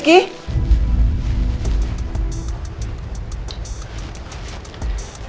sampai kapanpun ini gue bisa